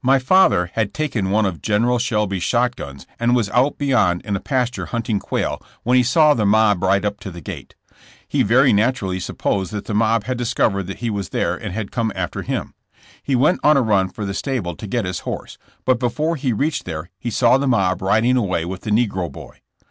My father had taken one of General Shelby's shot guns and was out beyond in a pasture hunting quail when he saw the mob ride up to the gate. He very naturally supposed that the mob had discovered that he was there and had come after him. He went on a run for the stable to get his horse, but before he reached there he saw the mob riding away with the negro boy.